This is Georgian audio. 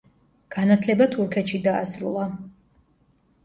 განათლება თურქეთში დაასრულა.